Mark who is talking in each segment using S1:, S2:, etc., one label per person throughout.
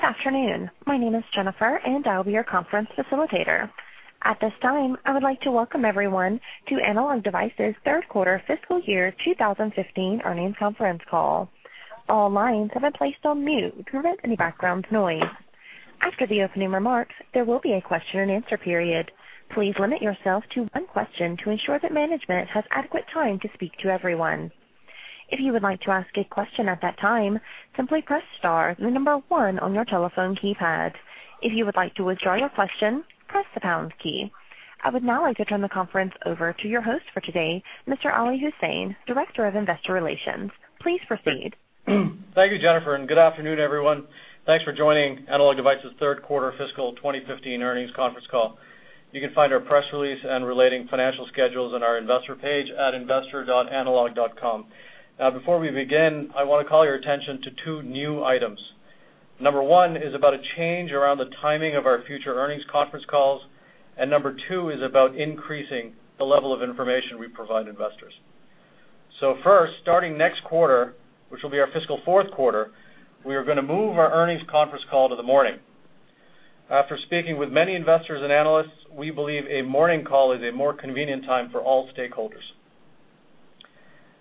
S1: Good afternoon. My name is Jennifer, and I will be your conference facilitator. At this time, I would like to welcome everyone to Analog Devices' third quarter fiscal year 2015 earnings conference call. All lines have been placed on mute to prevent any background noise. After the opening remarks, there will be a question and answer period. Please limit yourself to one question to ensure that management has adequate time to speak to everyone. If you would like to ask a question at that time, simply press star then the number one on your telephone keypad. If you would like to withdraw your question, press the pound key. I would now like to turn the conference over to your host for today, Mr. Ali Husain, Director of Investor Relations. Please proceed.
S2: Thank you, Jennifer, and good afternoon, everyone. Thanks for joining Analog Devices' third quarter fiscal 2015 earnings conference call. You can find our press release and relating financial schedules on our investor page at investor.analog.com. Before we begin, I want to call your attention to 2 new items. Number 1 is about a change around the timing of our future earnings conference calls, and number 2 is about increasing the level of information we provide investors. First, starting next quarter, which will be our fiscal fourth quarter, we are going to move our earnings conference call to the morning. After speaking with many investors and analysts, we believe a morning call is a more convenient time for all stakeholders.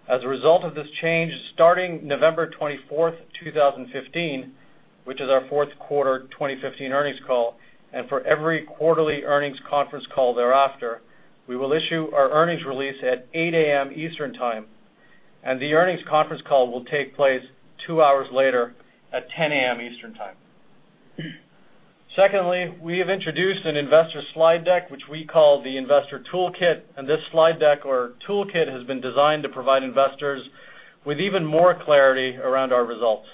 S2: As a result of this change, starting November 24th, 2015, which is our fourth quarter 2015 earnings call, and for every quarterly earnings conference call thereafter, we will issue our earnings release at 8:00 A.M. Eastern Time, and the earnings conference call will take place two hours later at 10:00 A.M. Eastern Time. We have introduced an investor slide deck, which we call the Investor Toolkit, and this slide deck or toolkit has been designed to provide investors with even more clarity around our results.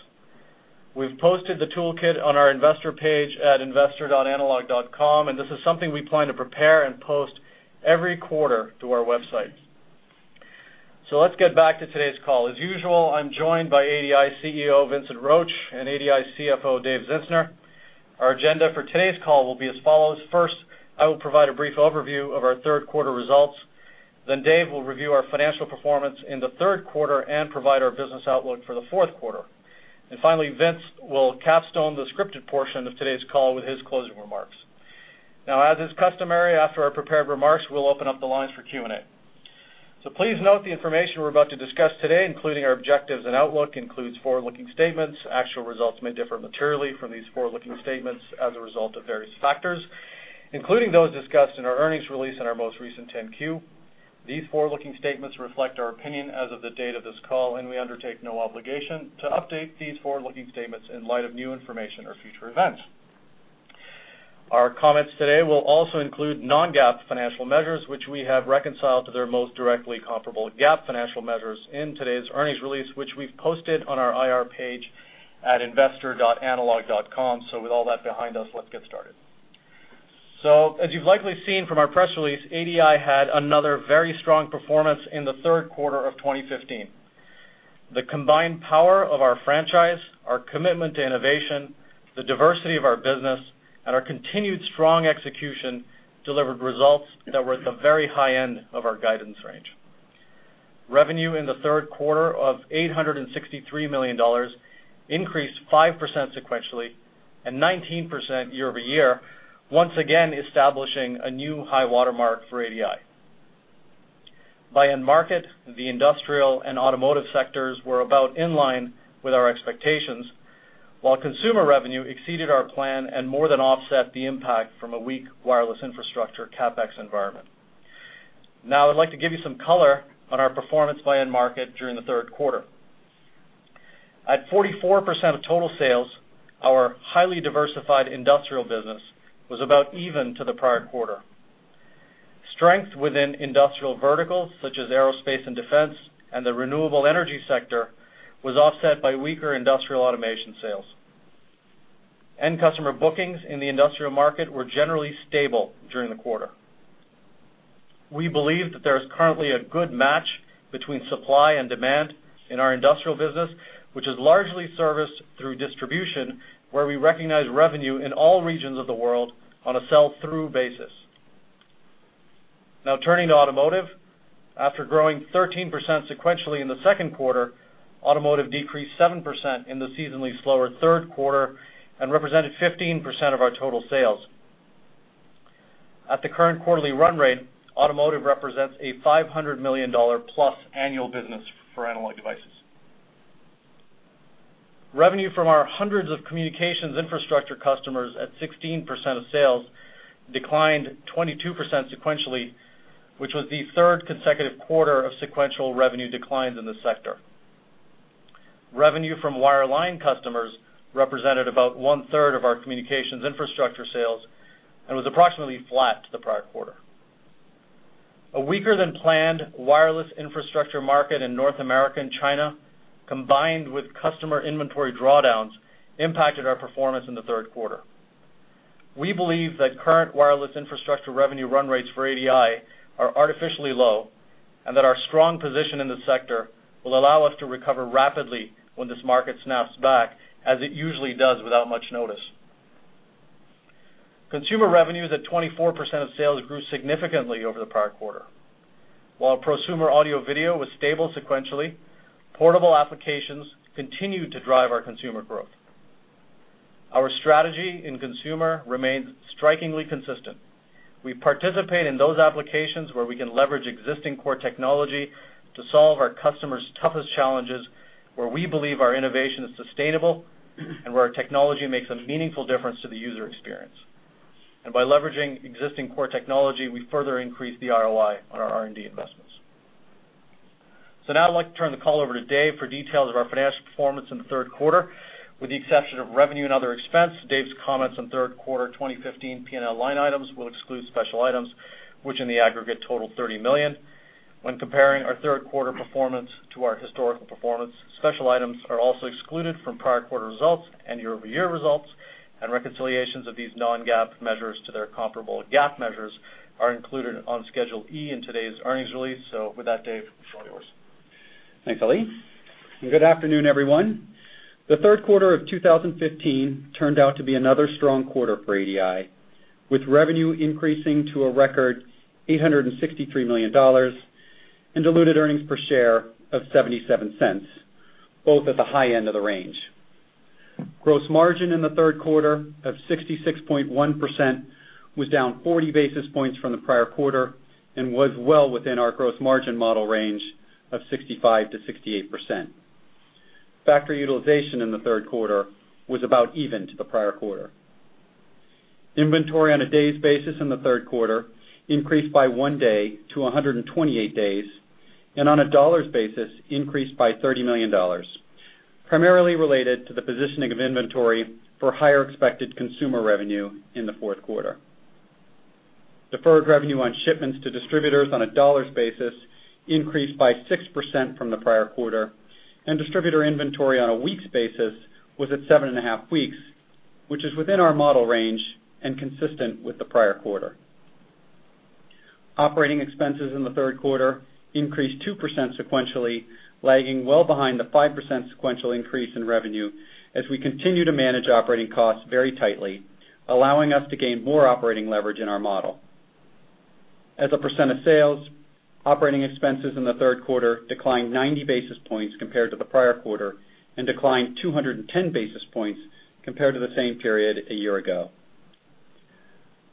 S2: We've posted the toolkit on our investor page at investor.analog.com, and this is something we plan to prepare and post every quarter to our website. Let's get back to today's call. As usual, I'm joined by ADI CEO Vincent Roche and ADI CFO David Zinsner. Our agenda for today's call will be as follows. I will provide a brief overview of our third quarter results. Dave will review our financial performance in the third quarter and provide our business outlook for the fourth quarter. Finally, Vince will capstone the scripted portion of today's call with his closing remarks. As is customary, after our prepared remarks we'll open up the lines for Q&A. Please note the information we're about to discuss today, including our objectives and outlook, includes forward-looking statements. Actual results may differ materially from these forward-looking statements as a result of various factors, including those discussed in our earnings release and our most recent 10-Q. These forward-looking statements reflect our opinion as of the date of this call, and we undertake no obligation to update these forward-looking statements in light of new information or future events. Our comments today will also include non-GAAP financial measures, which we have reconciled to their most directly comparable GAAP financial measures in today's earnings release, which we've posted on our IR page at investor.analog.com. With all that behind us, let's get started. As you've likely seen from our press release, ADI had another very strong performance in the third quarter of 2015. The combined power of our franchise, our commitment to innovation, the diversity of our business, and our continued strong execution delivered results that were at the very high end of our guidance range. Revenue in the third quarter of $863 million increased 5% sequentially and 19% year-over-year, once again establishing a new high watermark for ADI. By end market, the industrial and automotive sectors were about in line with our expectations, while consumer revenue exceeded our plan and more than offset the impact from a weak wireless infrastructure CapEx environment. I'd like to give you some color on our performance by end market during the third quarter. At 44% of total sales, our highly diversified industrial business was about even to the prior quarter. Strength within industrial verticals, such as aerospace and defense and the renewable energy sector, was offset by weaker industrial automation sales. End customer bookings in the industrial market were generally stable during the quarter. We believe that there is currently a good match between supply and demand in our industrial business, which is largely serviced through distribution, where we recognize revenue in all regions of the world on a sell-through basis. Turning to automotive. After growing 13% sequentially in the second quarter, automotive decreased 7% in the seasonally slower third quarter and represented 15% of our total sales. At the current quarterly run rate, automotive represents a $500 million plus annual business for Analog Devices. Revenue from our hundreds of communications infrastructure customers at 16% of sales declined 22% sequentially, which was the third consecutive quarter of sequential revenue declines in the sector. Revenue from wire line customers represented about one third of our communications infrastructure sales and was approximately flat to the prior quarter. A weaker-than-planned wireless infrastructure market in North America and China, combined with customer inventory drawdowns, impacted our performance in the third quarter. We believe that current wireless infrastructure revenue run rates for ADI are artificially low, and that our strong position in the sector will allow us to recover rapidly when this market snaps back, as it usually does without much notice. Consumer revenue is at 24% of sales grew significantly over the prior quarter. While prosumer audio video was stable sequentially, portable applications continued to drive our consumer growth. Our strategy in consumer remains strikingly consistent. We participate in those applications where we can leverage existing core technology to solve our customers' toughest challenges, where we believe our innovation is sustainable, and where our technology makes a meaningful difference to the user experience. By leveraging existing core technology, we further increase the ROI on our R&D investments. I'd like to turn the call over to Dave for details of our financial performance in the third quarter, with the exception of revenue and other expense. Dave's comments on third quarter 2015 P&L line items will exclude special items, which in the aggregate total $30 million. When comparing our third quarter performance to our historical performance, special items are also excluded from prior quarter results and year-over-year results, and reconciliations of these non-GAAP measures to their comparable GAAP measures are included on Schedule E in today's earnings release. With that, Dave, it's all yours.
S3: Thanks, Ali, good afternoon, everyone. The third quarter of 2015 turned out to be another strong quarter for ADI, with revenue increasing to a record $863 million and diluted earnings per share of $0.77, both at the high end of the range. Gross margin in the third quarter of 66.1% was down 40 basis points from the prior quarter and was well within our gross margin model range of 65%-68%. Factory utilization in the third quarter was about even to the prior quarter. Inventory on a days basis in the third quarter increased by one day to 128 days, and on a dollars basis increased by $30 million, primarily related to the positioning of inventory for higher expected consumer revenue in the fourth quarter. Deferred revenue on shipments to distributors on a dollars basis increased by 6% from the prior quarter, and distributor inventory on a weeks basis was at seven and a half weeks, which is within our model range and consistent with the prior quarter. Operating expenses in the third quarter increased 2% sequentially, lagging well behind the 5% sequential increase in revenue as we continue to manage operating costs very tightly, allowing us to gain more operating leverage in our model. As a percent of sales, operating expenses in the third quarter declined 90 basis points compared to the prior quarter and declined 210 basis points compared to the same period a year ago.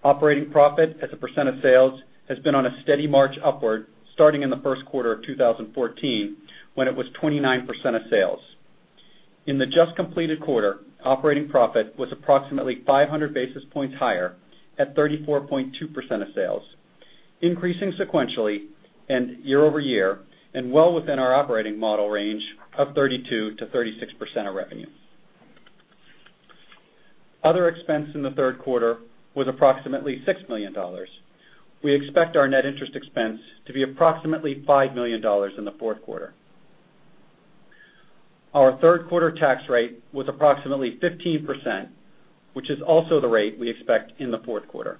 S3: Operating profit as a percent of sales has been on a steady march upward starting in the first quarter of 2014 when it was 29% of sales. In the just completed quarter, operating profit was approximately 500 basis points higher at 34.2% of sales, increasing sequentially and year-over-year and well within our operating model range of 32%-36% of revenue. Other expense in the third quarter was approximately $6 million. We expect our net interest expense to be approximately $5 million in the fourth quarter. Our third quarter tax rate was approximately 15%, which is also the rate we expect in the fourth quarter.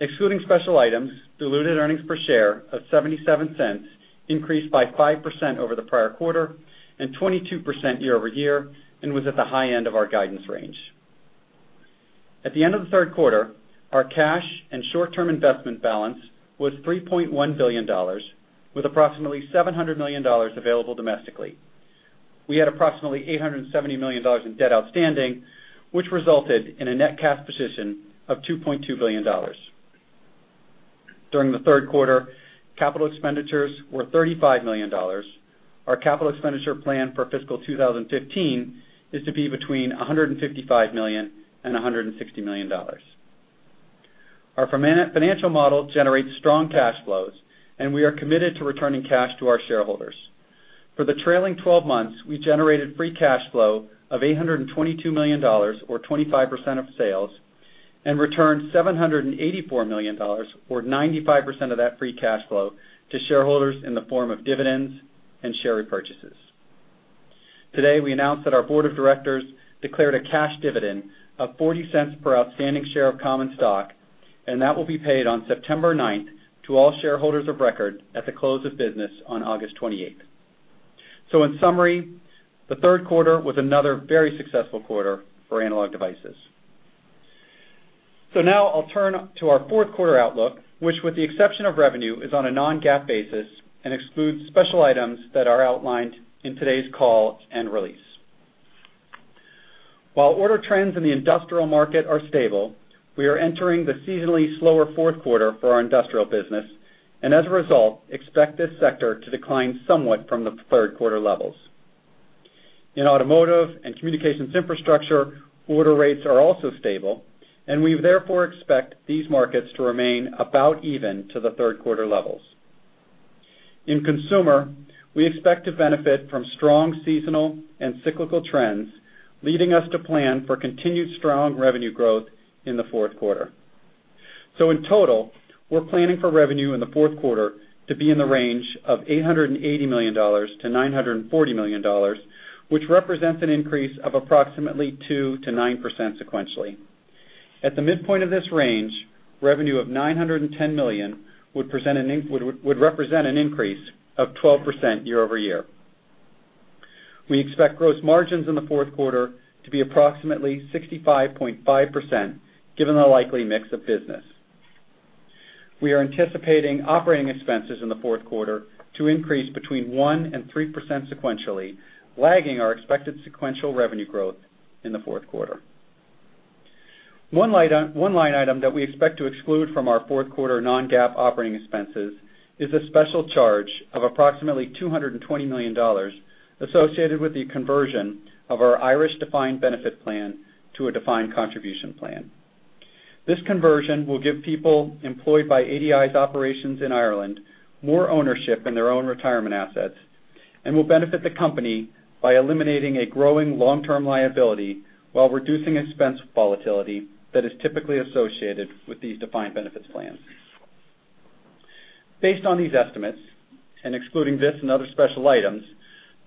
S3: Excluding special items, diluted earnings per share of $0.77 increased by 5% over the prior quarter and 22% year-over-year and was at the high end of our guidance range. At the end of the third quarter, our cash and short-term investment balance was $3.1 billion, with approximately $700 million available domestically. We had approximately $870 million in debt outstanding, which resulted in a net cash position of $2.2 billion. During the third quarter, capital expenditures were $35 million. Our CapEx plan for fiscal 2015 is to be between $155 million-$160 million. Our financial model generates strong cash flows, and we are committed to returning cash to our shareholders. For the trailing 12 months, we generated free cash flow of $822 million or 25% of sales and returned $784 million or 95% of that free cash flow to shareholders in the form of dividends and share repurchases. Today, we announced that our board of directors declared a cash dividend of $0.40 per outstanding share of common stock, that will be paid on September 9th to all shareholders of record at the close of business on August 28th. In summary, the third quarter was another very successful quarter for Analog Devices. Now I'll turn to our fourth quarter outlook, which with the exception of revenue, is on a non-GAAP basis and excludes special items that are outlined in today's call and release. While order trends in the industrial market are stable, we are entering the seasonally slower fourth quarter for our industrial business, as a result, expect this sector to decline somewhat from the third quarter levels. In automotive and communications infrastructure, order rates are also stable, we therefore expect these markets to remain about even to the third quarter levels. In consumer, we expect to benefit from strong seasonal and cyclical trends, leading us to plan for continued strong revenue growth in the fourth quarter. In total, we're planning for revenue in the fourth quarter to be in the range of $880 million-$940 million, which represents an increase of approximately 2%-9% sequentially. At the midpoint of this range, revenue of $910 million would represent an increase of 12% year-over-year. We expect gross margins in the fourth quarter to be approximately 65.5%, given the likely mix of business. We are anticipating operating expenses in the fourth quarter to increase between 1%-3% sequentially, lagging our expected sequential revenue growth in the fourth quarter. One line item that we expect to exclude from our fourth quarter non-GAAP operating expenses is a special charge of approximately $220 million associated with the conversion of our Irish defined benefit plan to a defined contribution plan. This conversion will give people employed by ADI's operations in Ireland more ownership in their own retirement assets and will benefit the company by eliminating a growing long-term liability while reducing expense volatility that is typically associated with these defined benefits plans. Based on these estimates, excluding this and other special items,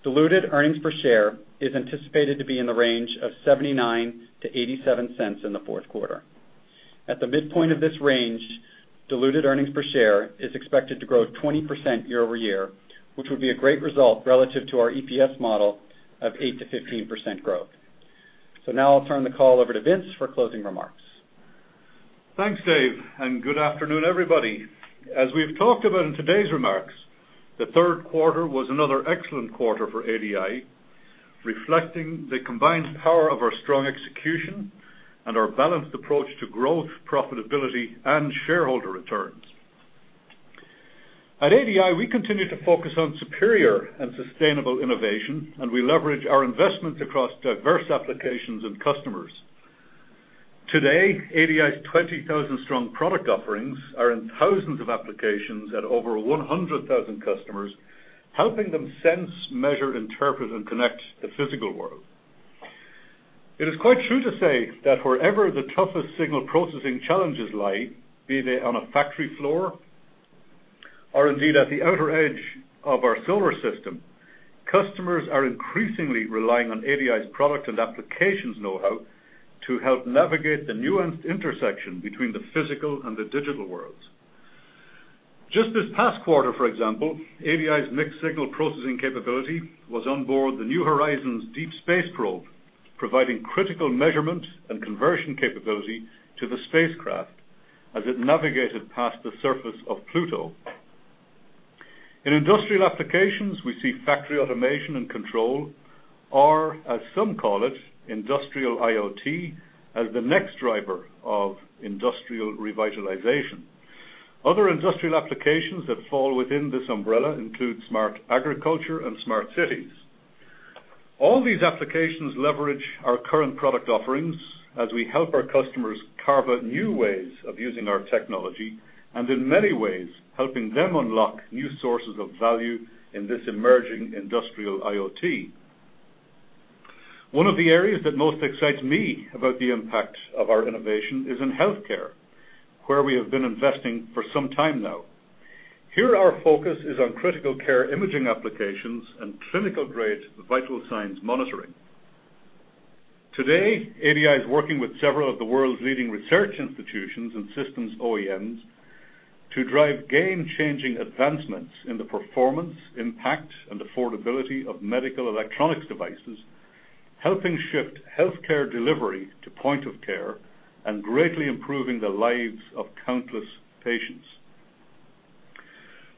S3: diluted earnings per share is anticipated to be in the range of $0.79-$0.87 in the fourth quarter. At the midpoint of this range, diluted earnings per share is expected to grow 20% year-over-year, which would be a great result relative to our EPS model of 8%-15% growth. Now I'll turn the call over to Vince for closing remarks.
S4: Thanks, Dave, good afternoon, everybody. As we've talked about in today's remarks, the third quarter was another excellent quarter for ADI, reflecting the combined power of our strong execution and our balanced approach to growth, profitability, and shareholder returns. At ADI, we continue to focus on superior and sustainable innovation, and we leverage our investments across diverse applications and customers. Today, ADI's 20,000 strong product offerings are in thousands of applications at over 100,000 customers, helping them sense, measure, interpret, and connect the physical world. It is quite true to say that wherever the toughest signal processing challenges lie, be they on a factory floor or indeed at the outer edge of our solar system, customers are increasingly relying on ADI's product and applications know-how to help navigate the nuanced intersection between the physical and the digital worlds. Just this past quarter, for example, ADI's mixed signal processing capability was on board the New Horizons Deep Space probe, providing critical measurement and conversion capability to the spacecraft as it navigated past the surface of Pluto. In industrial applications, we see factory automation and control, or as some call it, industrial IoT, as the next driver of industrial revitalization. Other industrial applications that fall within this umbrella include smart agriculture and smart cities. All these applications leverage our current product offerings as we help our customers carve out new ways of using our technology and in many ways, helping them unlock new sources of value in this emerging industrial IoT. One of the areas that most excites me about the impact of our innovation is in healthcare, where we have been investing for some time now. Here, our focus is on critical care imaging applications and clinical-grade vital signs monitoring. Today, ADI is working with several of the world's leading research institutions and systems OEMs to drive game-changing advancements in the performance, impact, and affordability of medical electronics devices, helping shift healthcare delivery to point of care and greatly improving the lives of countless patients.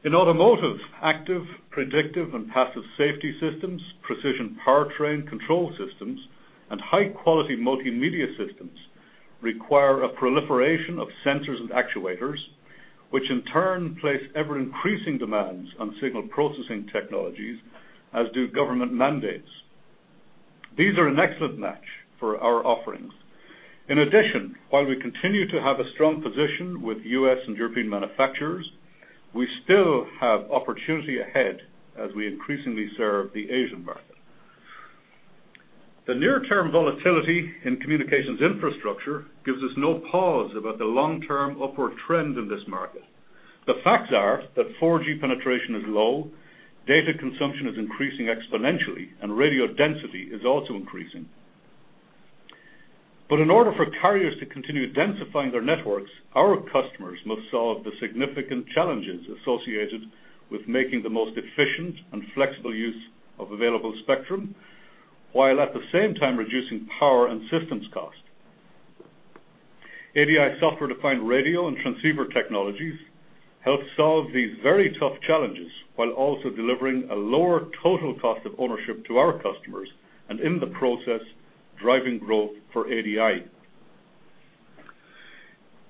S4: In automotive, active, predictive, and passive safety systems, precision powertrain control systems, and high-quality multimedia systems require a proliferation of sensors and actuators, which in turn place ever-increasing demands on signal processing technologies, as do government mandates. These are an excellent match for our offerings. In addition, while we continue to have a strong position with U.S. and European manufacturers, we still have opportunity ahead as we increasingly serve the Asian market. The near-term volatility in communications infrastructure gives us no pause about the long-term upward trend in this market. The facts are that 4G penetration is low, data consumption is increasing exponentially, and radio density is also increasing. In order for carriers to continue densifying their networks, our customers must solve the significant challenges associated with making the most efficient and flexible use of available spectrum, while at the same time reducing power and systems cost. ADI software-defined radio and transceiver technologies help solve these very tough challenges while also delivering a lower total cost of ownership to our customers, in the process, driving growth for ADI.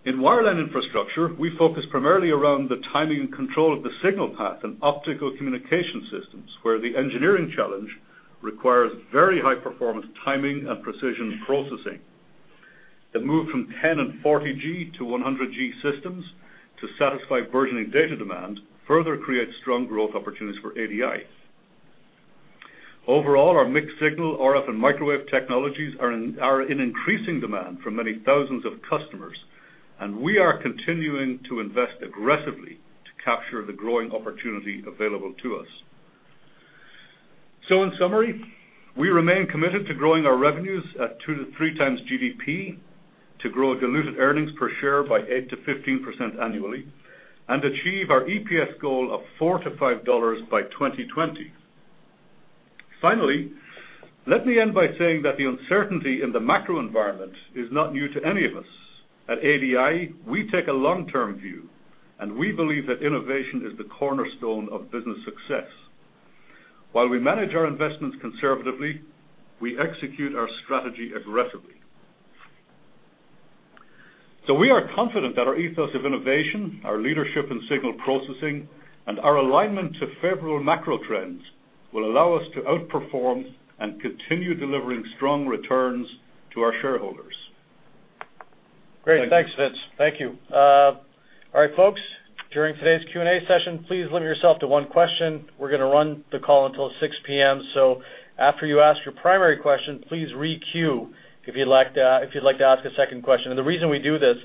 S4: In wireline infrastructure, we focus primarily around the timing and control of the signal path and optical communication systems, where the engineering challenge requires very high performance, timing, and precision processing. The move from 10 and 40G to 100G systems to satisfy burgeoning data demand further creates strong growth opportunities for ADI. Overall, our mixed signal RF and microwave technologies are in increasing demand from many thousands of customers, and we are continuing to invest aggressively to capture the growing opportunity available to us. In summary, we remain committed to growing our revenues at two to three times GDP. To grow diluted earnings per share by 8%-15% annually and achieve our EPS goal of $4 to $5 by 2020. Finally, let me end by saying that the uncertainty in the macro environment is not new to any of us. At ADI, we take a long-term view, and we believe that innovation is the cornerstone of business success. While we manage our investments conservatively, we execute our strategy aggressively. We are confident that our ethos of innovation, our leadership in signal processing, and our alignment to favorable macro trends will allow us to outperform and continue delivering strong returns to our shareholders.
S2: Great. Thanks, Vince. Thank you. All right, folks. During today's Q&A session, please limit yourself to one question. We're going to run the call until 6:00 P.M. After you ask your primary question, please re-queue if you'd like to ask a second question. The reason we do this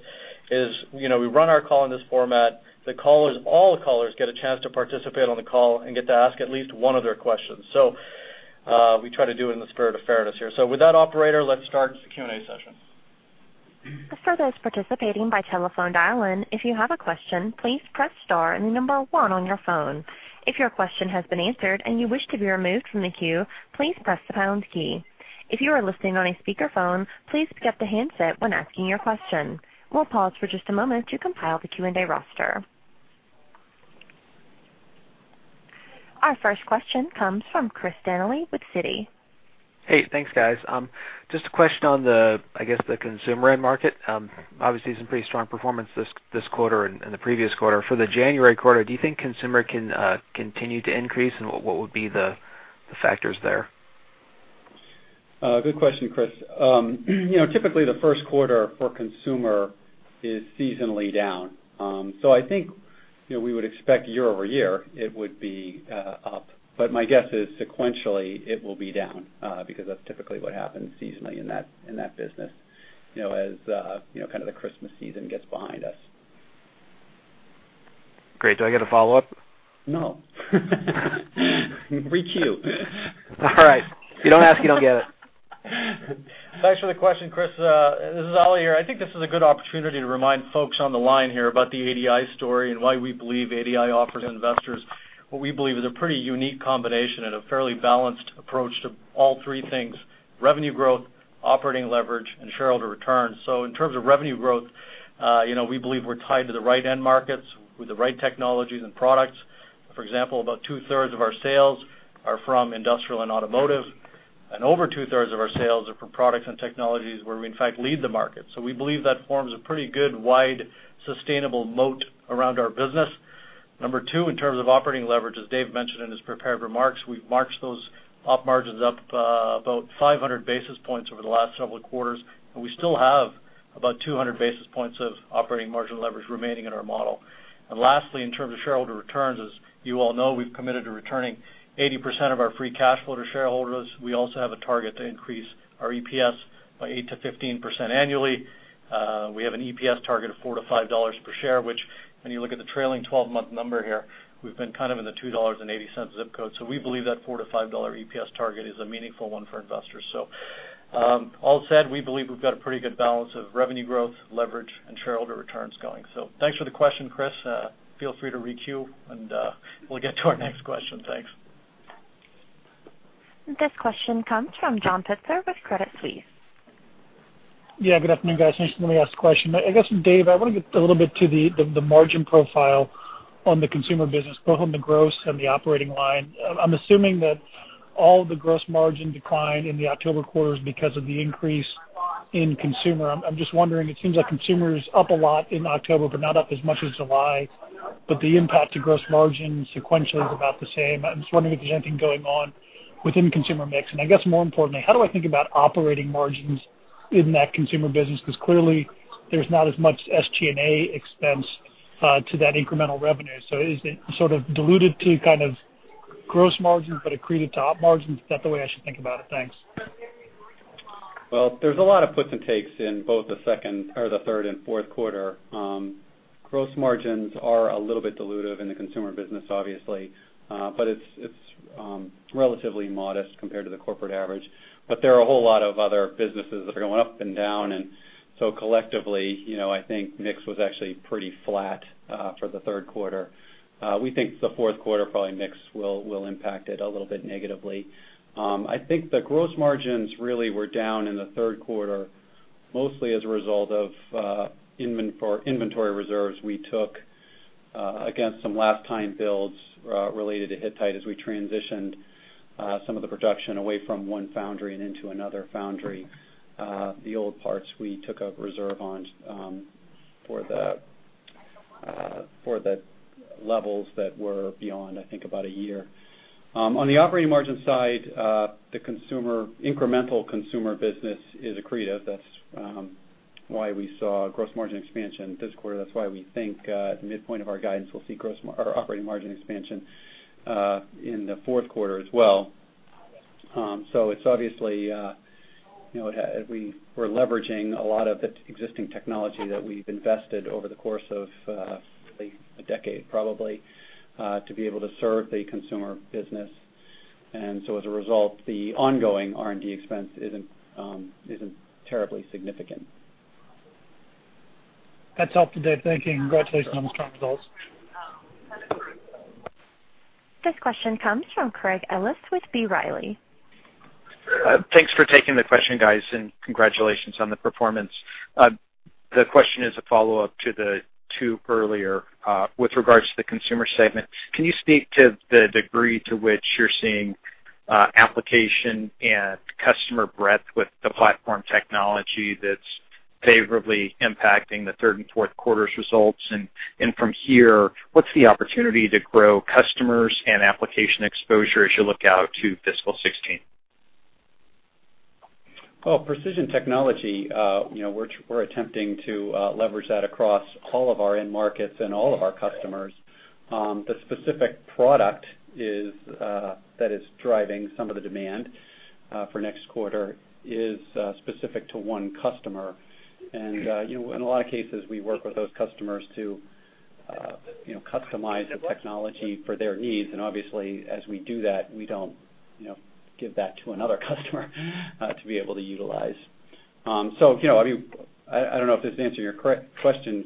S2: is, we run our call in this format, all the callers get a chance to participate on the call and get to ask at least one of their questions. With that, operator, let's start the Q&A session.
S1: For those participating by telephone dial-in, if you have a question, please press star and the number one on your phone. If your question has been answered and you wish to be removed from the queue, please press the pound key. If you are listening on a speakerphone, please pick up the handset when asking your question. We'll pause for just a moment to compile the Q&A roster. Our first question comes from Christopher Danely with Citi.
S5: Hey, thanks, guys. Just a question on the, I guess, the consumer end market. Obviously, some pretty strong performance this quarter and the previous quarter. For the January quarter, do you think consumer can continue to increase, and what would be the factors there?
S3: Good question, Chris. Typically, the first quarter for consumer is seasonally down. I think we would expect year-over-year it would be up. My guess is sequentially it will be down, because that's typically what happens seasonally in that business as the Christmas season gets behind us.
S5: Great. Do I get a follow-up?
S3: No. Re-queue.
S5: All right. If you don't ask, you don't get it.
S2: Thanks for the question, Chris. This is Ali here. I think this is a good opportunity to remind folks on the line here about the ADI story and why we believe ADI offers investors what we believe is a pretty unique combination and a fairly balanced approach to all three things: revenue growth, operating leverage, and shareholder return. In terms of revenue growth, we believe we're tied to the right end markets with the right technologies and products. For example, about two-thirds of our sales are from industrial and automotive, and over two-thirds of our sales are from products and technologies where we, in fact, lead the market. We believe that forms a pretty good, wide, sustainable moat around our business. Number two, in terms of operating leverage, as Dave mentioned in his prepared remarks, we've marched those up margins up about 500 basis points over the last several quarters, and we still have about 200 basis points of operating margin leverage remaining in our model. Lastly, in terms of shareholder returns, as you all know, we've committed to returning 80% of our free cash flow to shareholders. We also have a target to increase our EPS by 8%-15% annually. We have an EPS target of $4 to $5 per share, which when you look at the trailing 12-month number here, we've been kind of in the $2.80 zip code. We believe that $4 to $5 EPS target is a meaningful one for investors. All said, we believe we've got a pretty good balance of revenue growth, leverage, and shareholder returns going. Thanks for the question, Chris. Feel free to re-queue, and we'll get to our next question. Thanks.
S1: This question comes from John Pitzer with Credit Suisse.
S6: Yeah. Good afternoon, guys. Nice to let me ask the question. I guess, Dave, I want to get a little bit to the margin profile on the consumer business, both on the gross and the operating line. I'm assuming that all the gross margin decline in the October quarter is because of the increase in consumer. I'm just wondering, it seems like consumer is up a lot in October, but not up as much as July, but the impact to gross margin sequentially is about the same. I'm just wondering if there's anything going on within consumer mix. I guess more importantly, how do I think about operating margins in that consumer business? Because clearly there's not as much SG&A expense to that incremental revenue. Is it sort of diluted to kind of gross margin but accreted to op margins? Is that the way I should think about it? Thanks.
S3: Well, there's a lot of puts and takes in both the third and fourth quarter. Gross margins are a little bit dilutive in the consumer business, obviously, but it's relatively modest compared to the corporate average. There are a whole lot of other businesses that are going up and down, collectively, I think mix was actually pretty flat for the third quarter. We think the fourth quarter, probably mix will impact it a little bit negatively. I think the gross margins really were down in the third quarter, mostly as a result of inventory reserves we took against some last-time builds related to Hittite as we transitioned some of the production away from one foundry and into another foundry. The old parts we took a reserve on for the levels that were beyond, I think, about a year. On the operating margin side, the incremental consumer business is accretive. That's why we saw gross margin expansion this quarter. That's why we think at the midpoint of our guidance, we'll see operating margin expansion in the fourth quarter as well. It's obviously we're leveraging a lot of the existing technology that we've invested over the course of a decade, probably, to be able to serve the consumer business. As a result, the ongoing R&D expense isn't terribly significant.
S6: That's helpful, Dave. Thank you, congratulations on the strong results.
S1: This question comes from Craig Ellis with B. Riley.
S7: Thanks for taking the question, guys, congratulations on the performance. The question is a follow-up to the two earlier with regards to the consumer segment. Can you speak to the degree to which you're seeing application and customer breadth with the platform technology that's favorably impacting the third and fourth quarters results? From here, what's the opportunity to grow customers and application exposure as you look out to fiscal 2016?
S3: Well, precision technology, we're attempting to leverage that across all of our end markets and all of our customers. The specific product that is driving some of the demand for next quarter is specific to one customer. In a lot of cases, we work with those customers to customize the technology for their needs, and obviously, as we do that, we don't give that to another customer to be able to utilize. I don't know if this is answering your question,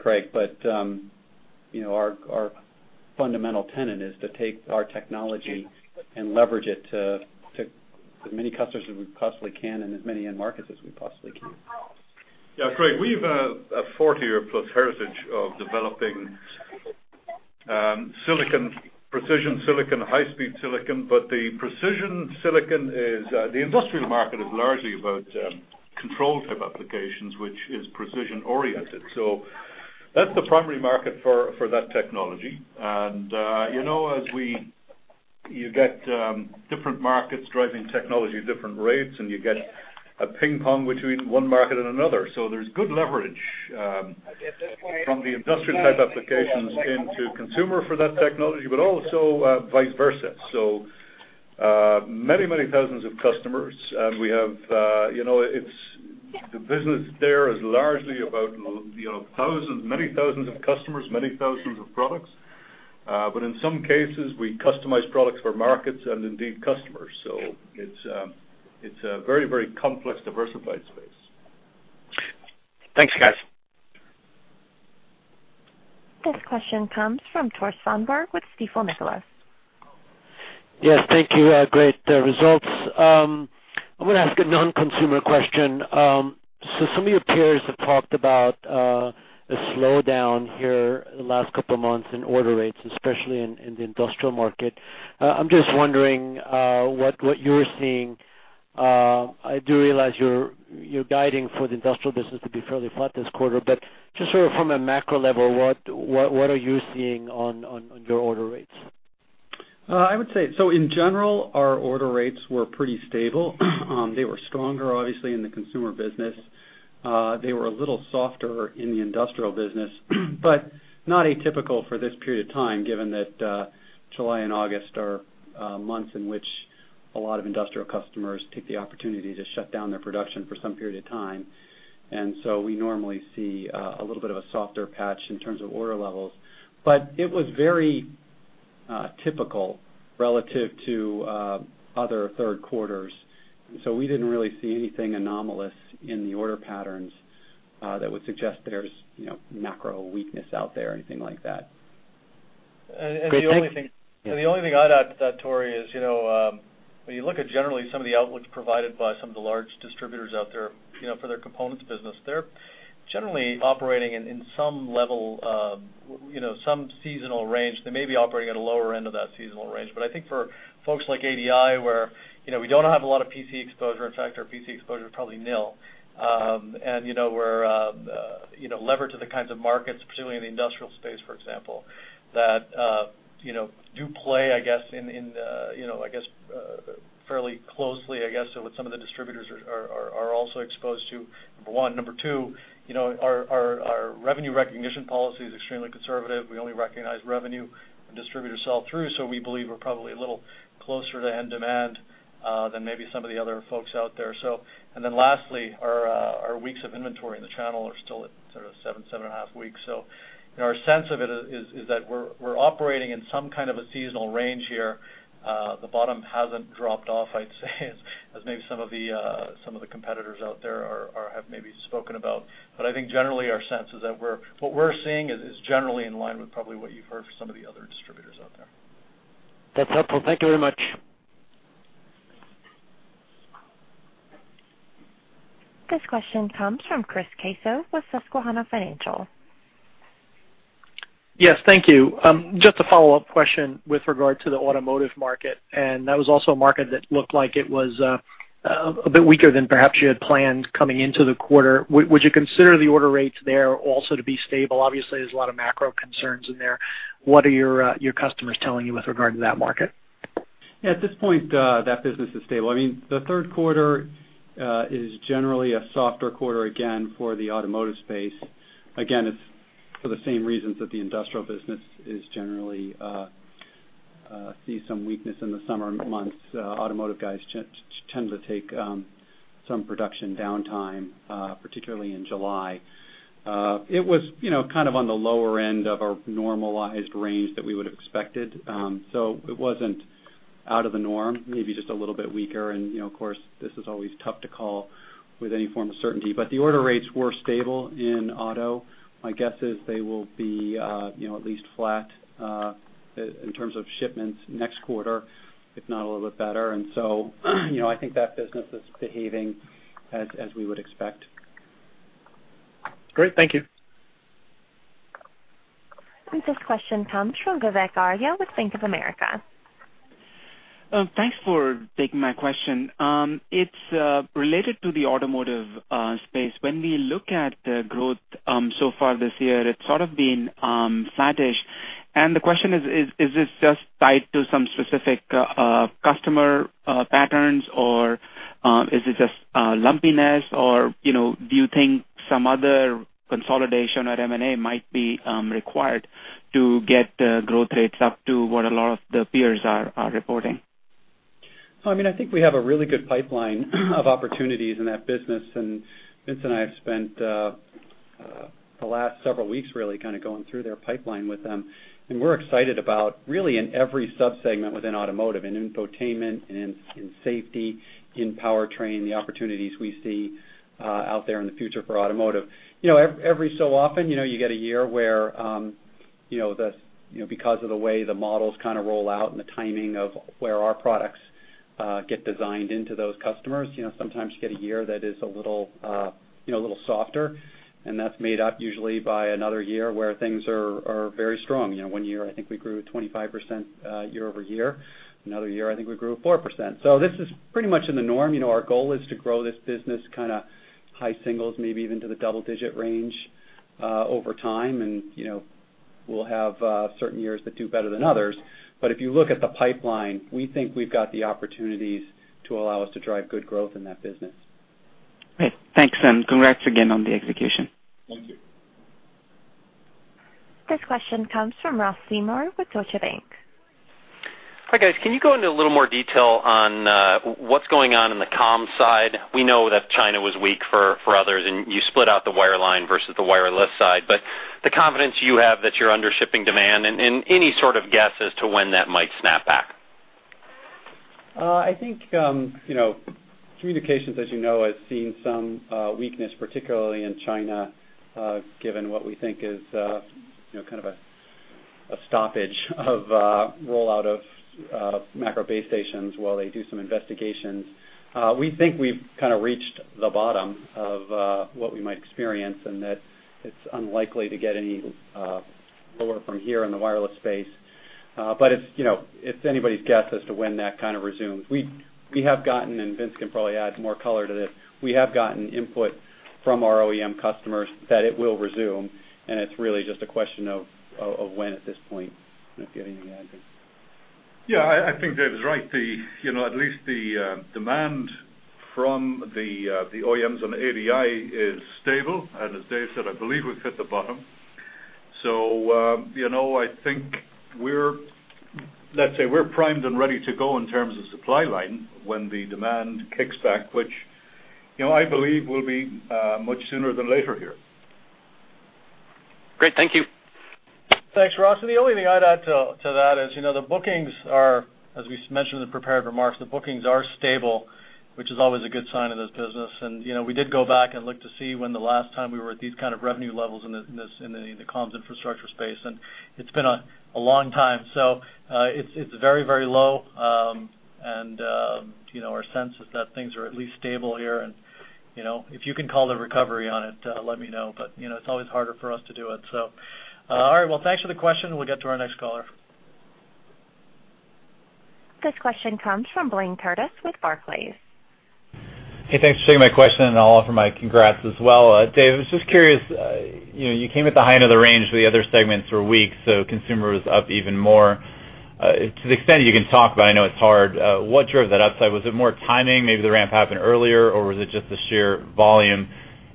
S3: Craig, but our fundamental tenet is to take our technology and leverage it to as many customers as we possibly can and as many end markets as we possibly can.
S2: Yeah, Craig, we've a 40-year-plus heritage of developing precision silicon, high-speed silicon. The precision silicon, the industrial market is largely about control type applications, which is precision-oriented. That's the primary market for that technology. As you get different markets driving technology at different rates, and you get a ping pong between one market and another. There's good leverage from the industrial type applications into consumer for that technology, but also vice versa. Many thousands of customers, and the business there is largely about many thousands of customers, many thousands of products. In some cases, we customize products for markets and indeed customers. It's a very complex, diversified space.
S7: Thanks, guys.
S1: This question comes from Tore Svanberg with Stifel Nicolaus.
S8: Yes, thank you. Great results. I'm going to ask a non-consumer question. Some of your peers have talked about a slowdown here in the last couple of months in order rates, especially in the industrial market. I'm just wondering what you're seeing. I do realize you're guiding for the industrial business to be fairly flat this quarter, but just sort of from a macro level, what are you seeing on your order rates?
S3: I would say, so in general, our order rates were pretty stable. They were stronger, obviously, in the consumer business. They were a little softer in the industrial business, but not atypical for this period of time, given that July and August are months in which a lot of industrial customers take the opportunity to shut down their production for some period of time. We normally see a little bit of a softer patch in terms of order levels. It was very typical relative to other third quarters. We didn't really see anything anomalous in the order patterns that would suggest there's macro weakness out there or anything like that.
S8: Great, thanks.
S2: The only thing I'd add to that, Tore, is when you look at generally some of the outlooks provided by some of the large distributors out there for their components business, they're generally operating in some seasonal range. They may be operating at a lower end of that seasonal range. I think for folks like ADI, where we don't have a lot of PC exposure, in fact, our PC exposure is probably nil. We're levered to the kinds of markets, particularly in the industrial space, for example, that do play, I guess, fairly closely, I guess, to what some of the distributors are also exposed to, number one. Number two, our revenue recognition policy is extremely conservative. We only recognize revenue when distributors sell through, so we believe we're probably a little closer to end demand than maybe some of the other folks out there. Lastly, our weeks of inventory in the channel are still at sort of seven and a half weeks. Our sense of it is that we're operating in some kind of a seasonal range here. The bottom hasn't dropped off, I'd say, as maybe some of the competitors out there have maybe spoken about. I think generally our sense is that what we're seeing is generally in line with probably what you've heard from some of the other distributors out there.
S8: That's helpful. Thank you very much.
S1: This question comes from Chris Caso with Susquehanna Financial.
S9: Yes, thank you. Just a follow-up question with regard to the automotive market. That was also a market that looked like it was a bit weaker than perhaps you had planned coming into the quarter. Would you consider the order rates there also to be stable? Obviously, there's a lot of macro concerns in there. What are your customers telling you with regard to that market?
S3: Yeah, at this point, that business is stable. The third quarter is generally a softer quarter, for the automotive space. It's for the same reasons that the industrial business generally sees some weakness in the summer months. Automotive guys tend to take some production downtime, particularly in July. It was on the lower end of our normalized range that we would have expected. It wasn't out of the norm, maybe just a little bit weaker. Of course, this is always tough to call with any form of certainty. The order rates were stable in auto. My guess is they will be at least flat in terms of shipments next quarter, if not a little bit better. I think that business is behaving as we would expect.
S4: Great. Thank you.
S1: This question comes from Vivek Arya with Bank of America.
S10: Thanks for taking my question. It's related to the automotive space. When we look at the growth so far this year, it's sort of been flattish. The question is: Is this just tied to some specific customer patterns, or is it just lumpiness, or do you think some other consolidation at M&A might be required to get growth rates up to what a lot of the peers are reporting?
S3: I think we have a really good pipeline of opportunities in that business, Vince and I have spent the last several weeks really kind of going through their pipeline with them. We're excited about really in every sub-segment within automotive, in infotainment, in safety, in powertrain, the opportunities we see out there in the future for automotive. Every so often, you get a year where, because of the way the models roll out and the timing of where our products get designed into those customers, sometimes you get a year that is a little softer, and that's made up usually by another year where things are very strong. One year, I think we grew 25% year-over-year. Another year, I think we grew 4%. This is pretty much in the norm. Our goal is to grow this business high singles, maybe even to the double-digit range over time, We'll have certain years that do better than others. If you look at the pipeline, we think we've got the opportunities to allow us to drive good growth in that business.
S10: Great. Thanks. Congrats again on the execution.
S3: Thank you.
S1: This question comes from Ross Seymore with Deutsche Bank.
S11: Hi, guys. Can you go into a little more detail on what's going on in the comms side? We know that China was weak for others, and you split out the wireline versus the wireless side. The confidence you have that you're under shipping demand and any sort of guess as to when that might snap back.
S3: I think communications, as you know, has seen some weakness, particularly in China, given what we think is kind of a stoppage of rollout of macro base stations while they do some investigations. We think we've reached the bottom of what we might experience, and that it's unlikely to get any lower from here in the wireless space. It's anybody's guess as to when that kind of resumes. We have gotten input from our OEM customers that it will resume, and it's really just a question of when at this point. If you have anything to add, Vince.
S4: Yeah, I think Dave's right. At least the demand from the OEMs on the ADI is stable. As Dave said, I believe we've hit the bottom. I think, let's say we're primed and ready to go in terms of supply line when the demand kicks back, which I believe will be much sooner than later here.
S11: Great. Thank you.
S3: Thanks, Ross. The only thing I'd add to that is, the bookings are, as we mentioned in the prepared remarks, the bookings are stable, which is always a good sign in this business. We did go back and look to see when the last time we were at these kind of revenue levels in the comms infrastructure space, and it's been a long time. It's very, very low, and our sense is that things are at least stable here. If you can call the recovery on it, let me know, but it's always harder for us to do it. All right, well, thanks for the question. We'll get to our next caller.
S1: This question comes from Blayne Curtis with Barclays.
S12: Hey, thanks for taking my question, and I'll offer my congrats as well. Dave, I was just curious. You came at the high end of the range, the other segments were weak, so consumer was up even more. To the extent you can talk, but I know it's hard, what drove that upside? Was it more timing, maybe the ramp happened earlier, or was it just the sheer volume?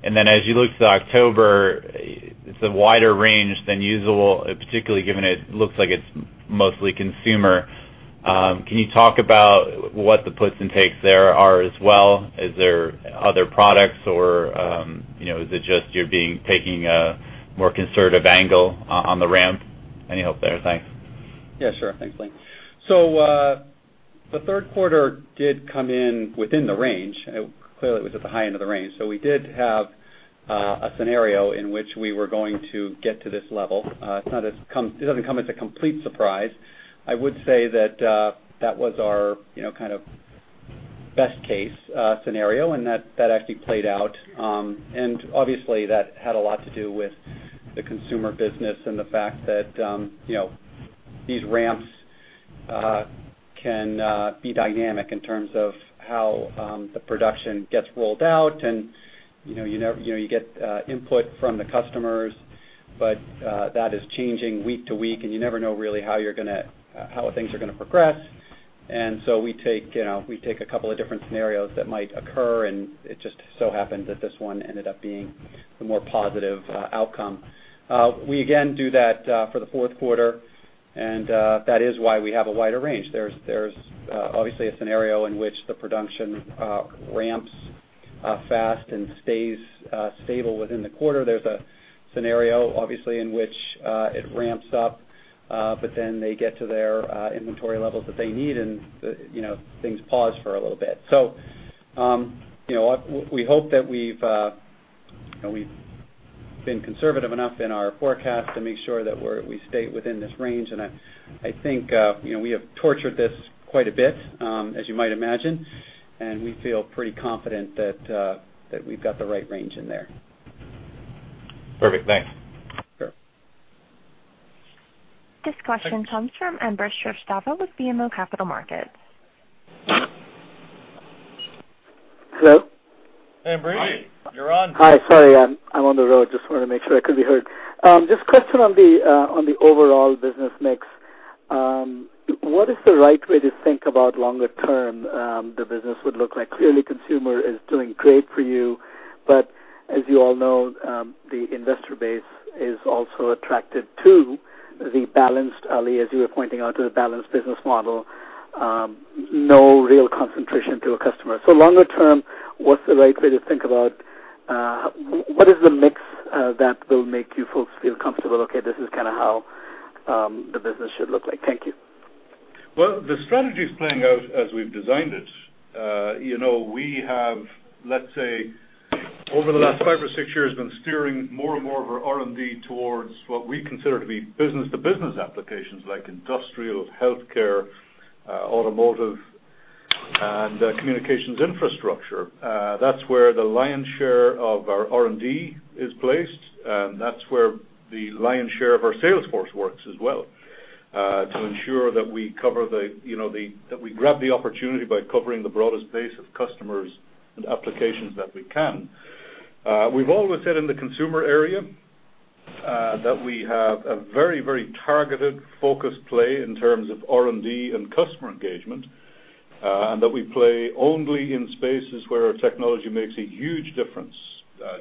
S12: Then as you look to October, it's a wider range than usual, particularly given it looks like it's mostly consumer. Can you talk about what the puts and takes there are as well? Is there other products or is it just you're taking a more conservative angle on the ramp? Any help there? Thanks.
S3: Yeah, sure. Thanks, Blayne. The third quarter did come in within the range. Clearly, it was at the high end of the range. We did have a scenario in which we were going to get to this level. It doesn't come as a complete surprise. I would say that was our best case scenario, and that actually played out. Obviously, that had a lot to do with the consumer business and the fact that these ramps can be dynamic in terms of how the production gets rolled out, and you get input from the customers. That is changing week to week, and you never know really how things are gonna progress. We take a couple of different scenarios that might occur, and it just so happened that this one ended up being the more positive outcome. We again do that for the fourth quarter, and that is why we have a wider range. There's obviously a scenario in which the production ramps Fast and stays stable within the quarter. There's a scenario, obviously, in which it ramps up, but then they get to their inventory levels that they need and things pause for a little bit. We hope that we've been conservative enough in our forecast to make sure that we stay within this range. I think we have tortured this quite a bit, as you might imagine, and we feel pretty confident that we've got the right range in there.
S12: Perfect. Thanks.
S3: Sure.
S1: This question comes from Ambrish Srivastava with BMO Capital Markets.
S13: Hello?
S3: Hey, Ambrish. You're on.
S13: Hi. Sorry, I'm on the road. Just wanted to make sure I could be heard. Just a question on the overall business mix. What is the right way to think about longer term the business would look like? Clearly, consumer is doing great for you, as you all know, the investor base is also attracted to the balanced, Ali, as you were pointing out, to the balanced business model. No real concentration to a customer. Longer term, what's the right way to think about what is the mix that will make you folks feel comfortable, okay, this is kind of how the business should look like? Thank you.
S4: Well, the strategy's playing out as we've designed it. We have, let's say, over the last five or six years, been steering more and more of our R&D towards what we consider to be business-to-business applications like industrial, healthcare, automotive, and communications infrastructure. That's where the lion's share of our R&D is placed, and that's where the lion's share of our sales force works as well, to ensure that we grab the opportunity by covering the broadest base of customers and applications that we can. We've always said in the consumer area, that we have a very targeted, focused play in terms of R&D and customer engagement, and that we play only in spaces where our technology makes a huge difference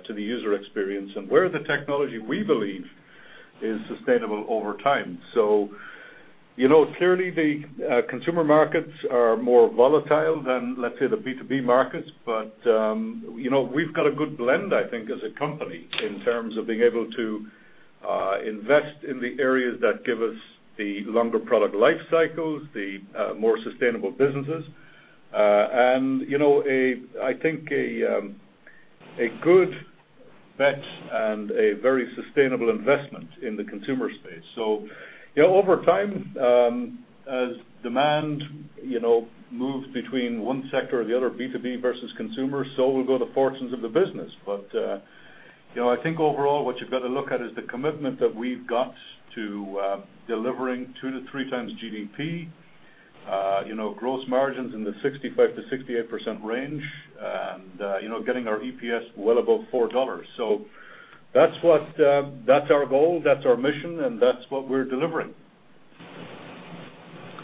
S4: to the user experience and where the technology, we believe, is sustainable over time. Clearly, the consumer markets are more volatile than, let's say, the B2B markets. We've got a good blend, I think, as a company in terms of being able to invest in the areas that give us the longer product life cycles, the more sustainable businesses. I think a good bet and a very sustainable investment in the consumer space. Over time, as demand moves between one sector or the other, B2B versus consumer, so will go the fortunes of the business. I think overall, what you've got to look at is the commitment that we've got to delivering two to three times GDP, gross margins in the 65%-68% range, and getting our EPS well above $4. That's our goal, that's our mission, and that's what we're delivering.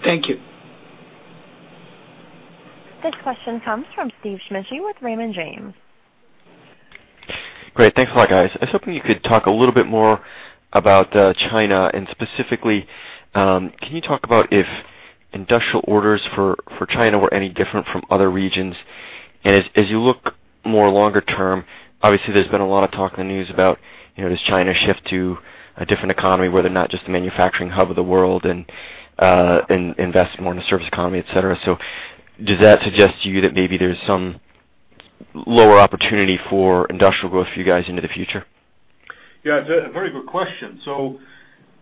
S13: Thank you.
S1: This question comes from Steve Smigie with Raymond James.
S14: Great. Thanks a lot, guys. I was hoping you could talk a little bit more about China, specifically, can you talk about if industrial orders for China were any different from other regions? As you look more longer term, obviously, there's been a lot of talk in the news about, does China shift to a different economy where they're not just the manufacturing hub of the world and invest more in the service economy, et cetera. Does that suggest to you that maybe there's some lower opportunity for industrial growth for you guys into the future?
S4: Yeah, it's a very good question.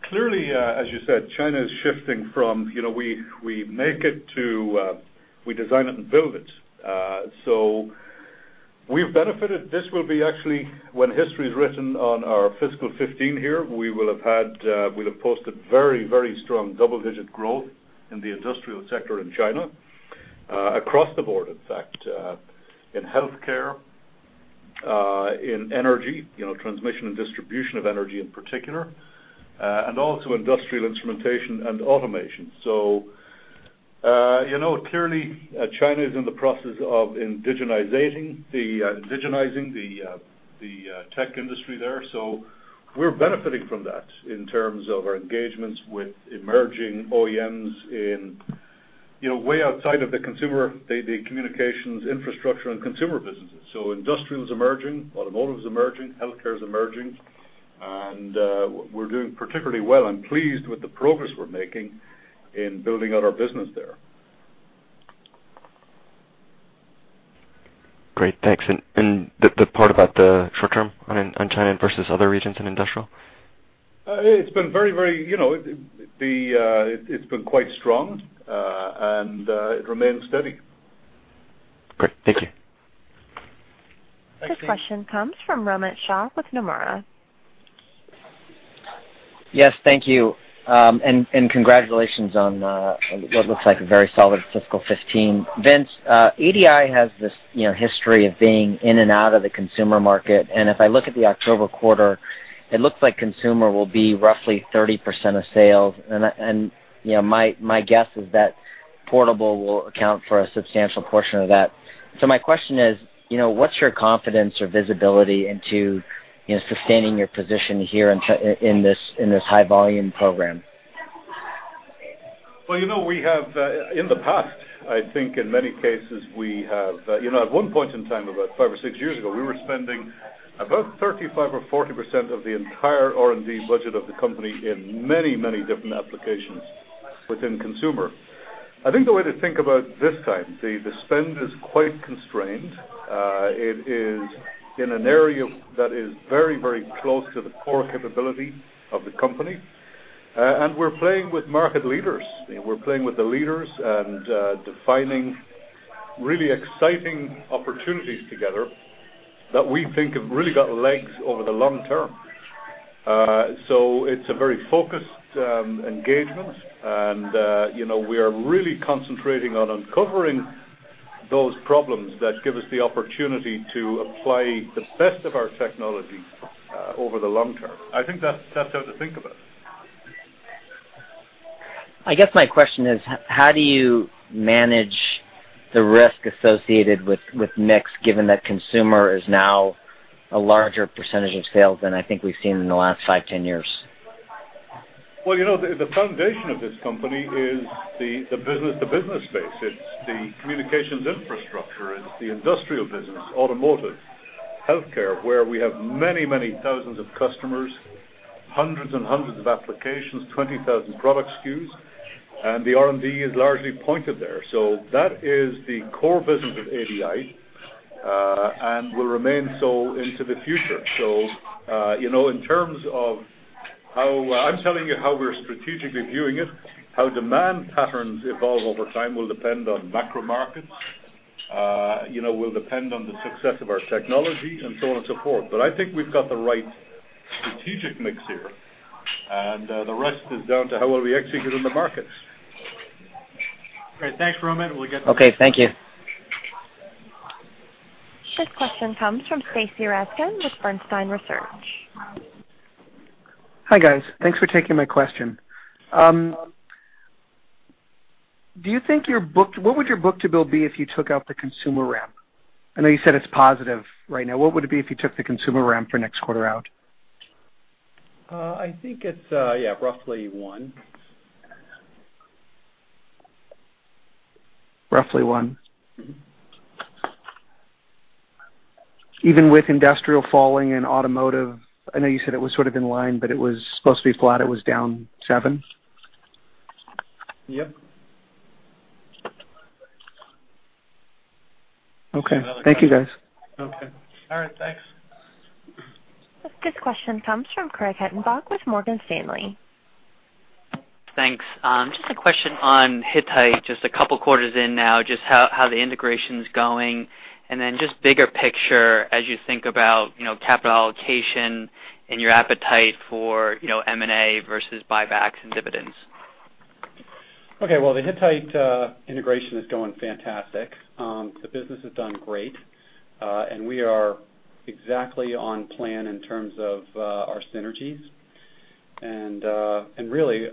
S4: Clearly, as you said, China is shifting from, we make it to we design it and build it. We've benefited. This will be actually when history is written on our fiscal 2015 here, we'll have posted very strong double-digit growth in the industrial sector in China, across the board, in fact, in healthcare, in energy, transmission and distribution of energy in particular, and also industrial instrumentation and automation. Clearly, China is in the process of indigenizing the tech industry there. We're benefiting from that in terms of our engagements with emerging OEMs way outside of the communications infrastructure and consumer businesses. Industrial is emerging, automotive is emerging, healthcare is emerging, and we're doing particularly well. I'm pleased with the progress we're making in building out our business there.
S14: Great. Thanks. The part about the short term on China versus other regions in industrial?
S4: It's been quite strong. It remains steady.
S14: Great. Thank you.
S1: This question comes from Romit Shah with Nomura.
S15: Thank you. Congratulations on what looks like a very solid fiscal 2015. Vince, ADI has this history of being in and out of the consumer market. If I look at the October quarter, it looks like consumer will be roughly 30% of sales. My guess is that portable will account for a substantial portion of that. My question is, what's your confidence or visibility into sustaining your position here in this high volume program?
S4: Well, in the past, I think in many cases, at one point in time, about five or six years ago, we were spending about 35% or 40% of the entire R&D budget of the company in many different applications within consumer. I think the way to think about this time, the spend is quite constrained. It is in an area that is very close to the core capability of the company, and we're playing with market leaders. We're playing with the leaders and defining really exciting opportunities together that we think have really got legs over the long term. It's a very focused engagement, and we are really concentrating on uncovering those problems that give us the opportunity to apply the best of our technologies over the long term. I think that's how to think about it.
S15: I guess my question is, how do you manage the risk associated with mix, given that consumer is now a larger percentage of sales than I think we've seen in the last 5, 10 years?
S4: The foundation of this company is the business-to-business space. It's the communications infrastructure, it's the industrial business, automotive, healthcare, where we have many thousands of customers, hundreds and hundreds of applications, 20,000 product SKUs, and the R&D is largely pointed there. That is the core business of ADI, and will remain so into the future. I'm telling you how we're strategically viewing it, how demand patterns evolve over time will depend on macro markets, will depend on the success of our technology, and so on and so forth. I think we've got the right strategic mix here, and the rest is down to how well we execute in the markets.
S2: Great. Thanks, Romit.
S15: Thank you.
S1: This question comes from Stacy Rasgon with Bernstein Research.
S16: Hi, guys. Thanks for taking my question. What would your book-to-bill be if you took out the consumer ramp? I know you said it's positive right now. What would it be if you took the consumer ramp for next quarter out?
S3: I think it's roughly one.
S16: Roughly one? Even with industrial falling and automotive, I know you said it was sort of in line, but it was supposed to be flat, it was down seven?
S3: Yep.
S16: Okay. Thank you, guys.
S3: Okay. All right, thanks.
S1: This question comes from Craig Hettenbach with Morgan Stanley.
S17: Thanks. Just a question on Hittite, just a couple of quarters in now, just how the integration's going, and then just bigger picture as you think about capital allocation and your appetite for M&A versus buybacks and dividends.
S3: Well, the Hittite integration is going fantastic. The business has done great. We are exactly on plan in terms of our synergies. Really,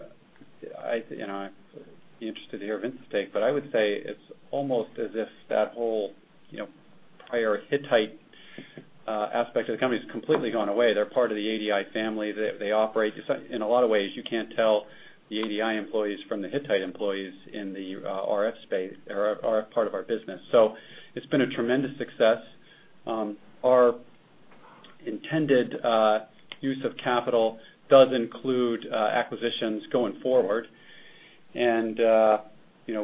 S3: I'd be interested to hear Vince's take, but I would say it's almost as if that whole prior Hittite aspect of the company has completely gone away. They're part of the ADI family. In a lot of ways, you can't tell the ADI employees from the Hittite employees in the RF space or RF part of our business. It's been a tremendous success. Our intended use of capital does include acquisitions going forward.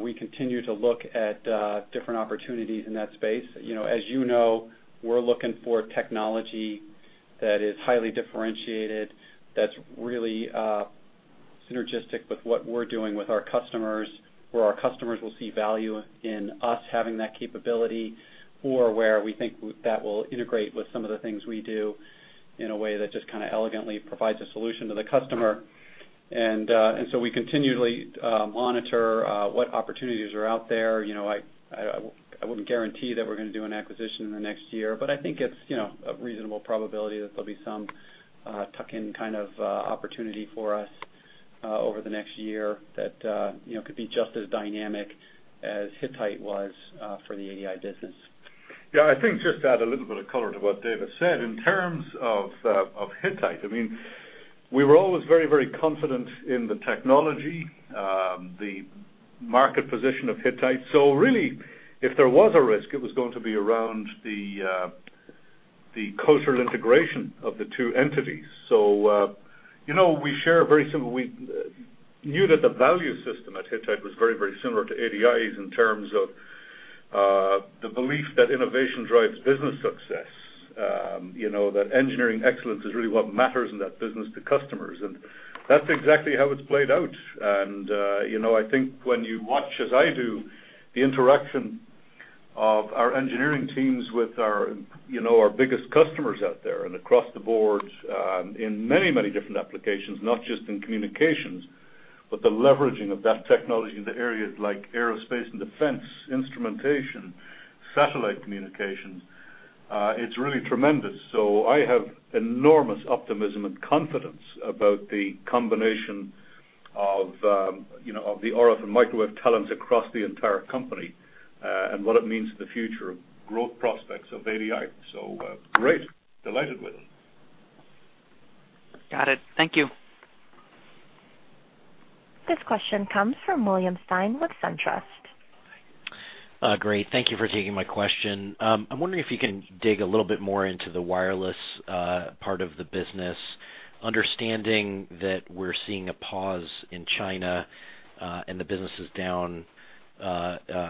S3: We continue to look at different opportunities in that space. As you know, we're looking for technology that is highly differentiated, that's really synergistic with what we're doing with our customers, where our customers will see value in us having that capability, or where we think that will integrate with some of the things we do in a way that just kind of elegantly provides a solution to the customer. We continually monitor what opportunities are out there. I wouldn't guarantee that we're going to do an acquisition in the next year, but I think it's a reasonable probability that there'll be some tuck-in kind of opportunity for us over the next year that could be just as dynamic as Hittite was for the ADI business.
S4: Yeah, I think just to add a little bit of color to what David said, in terms of Hittite, we were always very confident in the technology, the market position of Hittite. Really, if there was a risk, it was going to be around the cultural integration of the two entities. We knew that the value system at Hittite was very similar to ADI's in terms of the belief that innovation drives business success, that engineering excellence is really what matters in that business to customers, that's exactly how it's played out. I think when you watch, as I do, the interaction of our engineering teams with our biggest customers out there and across the board, in many different applications, not just in communications, but the leveraging of that technology into areas like aerospace and defense, instrumentation, satellite communications, it's really tremendous. I have enormous optimism and confidence about the combination of the RF and microwave talents across the entire company, and what it means for the future growth prospects of ADI. Great. Delighted with it.
S17: Got it. Thank you.
S1: This question comes from William Stein with SunTrust.
S18: Great. Thank you for taking my question. I'm wondering if you can dig a little bit more into the wireless part of the business, understanding that we're seeing a pause in China and the business is down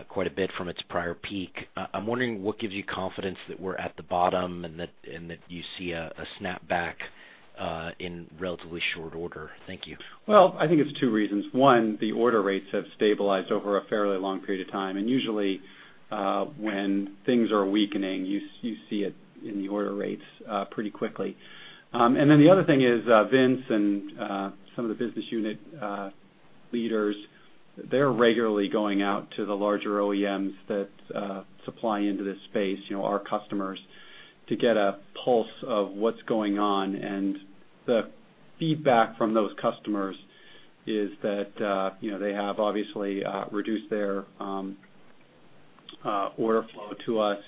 S18: quite a bit from its prior peak. I'm wondering what gives you confidence that we're at the bottom and that you see a snapback in relatively short order. Thank you.
S3: Well, I think it's two reasons. One, the order rates have stabilized over a fairly long period of time, and usually, when things are weakening, you see it in the order rates pretty quickly. The other thing is, Vince and some of the business unit leaders, they're regularly going out to the larger OEMs that supply into this space, our customers, to get a pulse of what's going on. The feedback from those customers is that they have obviously reduced their order flow to us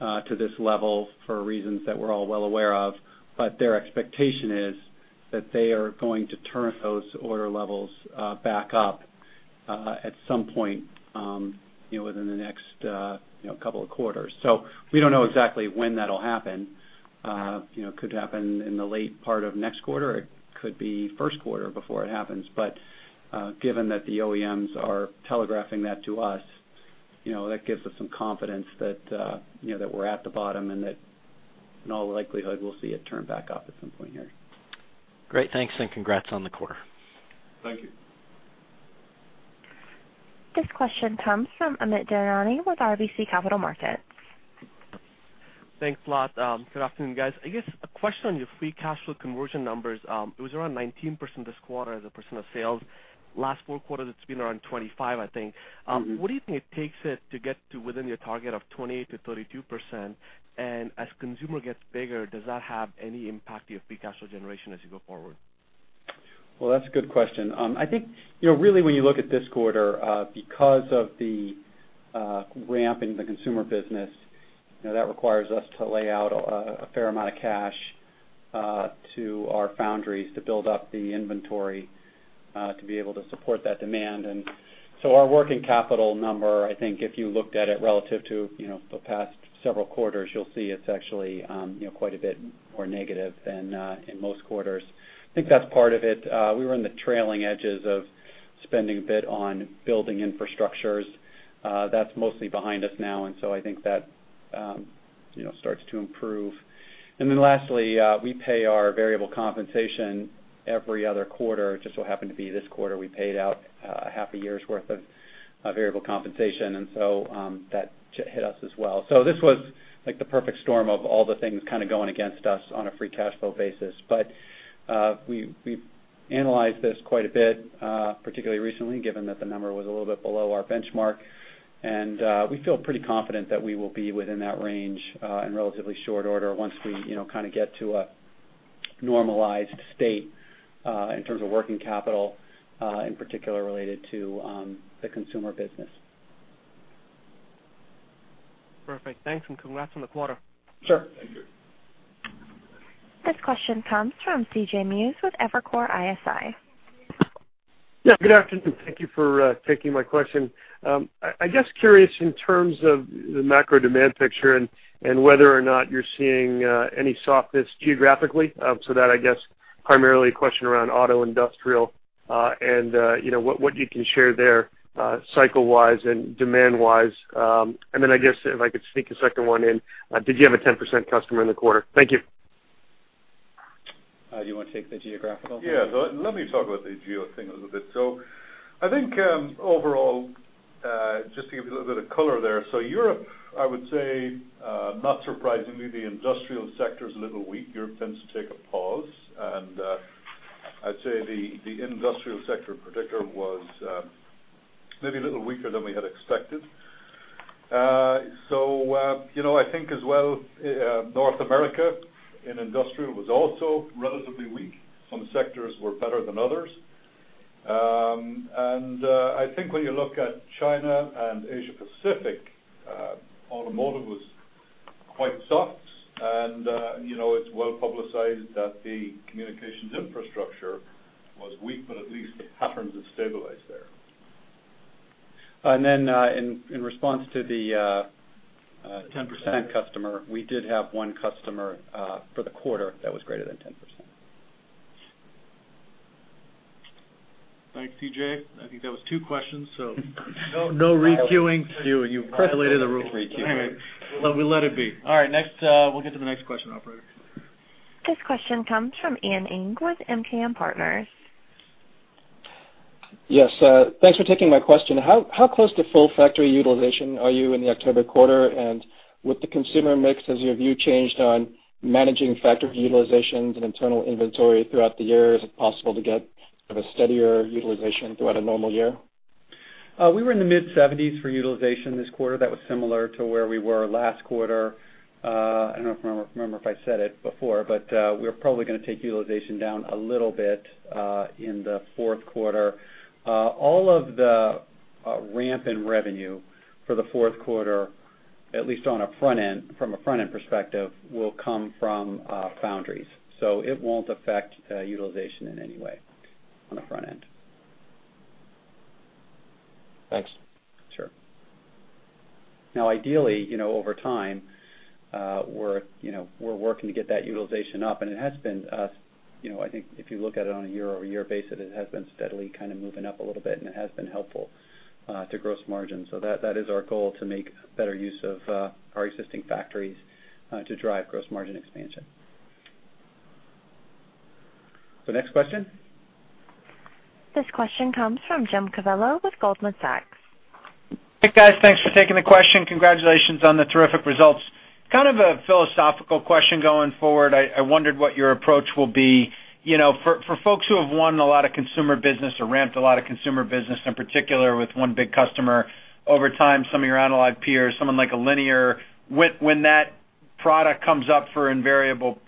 S3: to this level for reasons that we're all well aware of. Their expectation is that they are going to turn those order levels back up at some point within the next couple of quarters. We don't know exactly when that'll happen. It could happen in the late part of next quarter, or it could be first quarter before it happens. Given that the OEMs are telegraphing that to us, that gives us some confidence that we're at the bottom and that in all likelihood, we'll see it turn back up at some point here.
S18: Great. Thanks, and congrats on the quarter.
S4: Thank you.
S1: This question comes from Amit Daryanani with RBC Capital Markets.
S19: Thanks a lot. Good afternoon, guys. I guess a question on your free cash flow conversion numbers. It was around 19% this quarter as a percent of sales. Last four quarters, it's been around 25%, I think. What do you think it takes it to get to within your target of 28%-32%? As consumer gets bigger, does that have any impact to your free cash flow generation as you go forward?
S3: Well, that's a good question. I think really when you look at this quarter, because of the ramp in the consumer business, that requires us to lay out a fair amount of cash to our foundries to build up the inventory to be able to support that demand. Our working capital number, I think if you looked at it relative to the past several quarters, you'll see it's actually quite a bit more negative than in most quarters. I think that's part of it. We were in the trailing edges of spending a bit on building infrastructures. That's mostly behind us now, I think that starts to improve. Lastly, we pay our variable compensation every other quarter. It just so happened to be this quarter, we paid out a half a year's worth of variable compensation, that hit us as well. This was like the perfect storm of all the things kind of going against us on a free cash flow basis. We've analyzed this quite a bit, particularly recently, given that the number was a little bit below our benchmark. We feel pretty confident that we will be within that range in relatively short order once we kind of get to a normalized state in terms of working capital, in particular related to the consumer business.
S19: Perfect. Thanks, congrats on the quarter.
S3: Sure.
S4: Thank you.
S1: This question comes from C.J. Muse with Evercore ISI.
S20: Yeah, good afternoon. Thank you for taking my question. I guess curious in terms of the macro demand picture and whether or not you're seeing any softness geographically. That, I guess, primarily a question around auto industrial and what you can share there cycle-wise and demand-wise. Then I guess if I could sneak a second one in, did you have a 10% customer in the quarter? Thank you.
S3: Do you want to take the geographical one?
S4: Yeah, let me talk about the geo thing a little bit. I think overall, just to give you a little bit of color there, Europe, I would say, not surprisingly, the industrial sector's a little weak. Europe tends to take a pause. I'd say the industrial sector in particular was maybe a little weaker than we had expected. I think as well, North America in industrial was also relatively weak. Some sectors were better than others. I think when you look at China and Asia Pacific, automotive was quite soft, and it's well-publicized that the communications infrastructure was weak, but at least the patterns have stabilized there.
S3: Then, in response to the-
S20: 10%
S3: 10% customer, we did have one customer for the quarter that was greater than 10%.
S2: Thanks, C.J. I think that was two questions. No re-queuing for you. You've violated the rules. All right. We'll let it be. All right, we'll get to the next question, operator.
S1: This question comes from Ian Ing with MKM Partners.
S21: Yes, thanks for taking my question. How close to full factory utilization are you in the October quarter? With the consumer mix, has your view changed on managing factory utilizations and internal inventory throughout the year? Is it possible to get kind of a steadier utilization throughout a normal year?
S3: We were in the mid-70s for utilization this quarter. That was similar to where we were last quarter. I don't remember if I said it before, we're probably going to take utilization down a little bit in the fourth quarter. All of the ramp in revenue for the fourth quarter At least from a front-end perspective, will come from foundries. It won't affect utilization in any way on the front end.
S21: Thanks.
S3: Sure. Ideally, over time, we're working to get that utilization up, and it has been, I think if you look at it on a year-over-year basis, it has been steadily kind of moving up a little bit, and it has been helpful to gross margin. That is our goal, to make better use of our existing factories to drive gross margin expansion. Next question.
S1: This question comes from Jim Covello with Goldman Sachs.
S22: Hey, guys. Thanks for taking the question. Congratulations on the terrific results. Kind of a philosophical question going forward. I wondered what your approach will be. For folks who have won a lot of consumer business or ramped a lot of consumer business, in particular with one big customer, over time, some of your analog peers, someone like a Linear, when that product comes up for invariable